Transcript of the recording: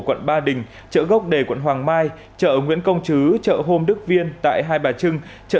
quận ba đình chợ gốc đề quận hoàng mai chợ nguyễn công chứ chợ hôm đức viên tại hai bà trưng chợ